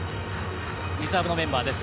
リザーブのメンバーです